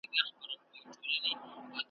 پسرلی به راته راوړي په اورغوي کي ګلونه `